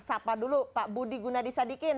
sapa dulu pak budi gunadisadikin